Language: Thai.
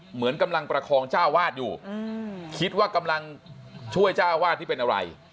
เหมือนกำลังประคองเจ้าวาดอยู่คิดว่ากำลังช่วยเจ้าวาดที่เป็นอะไร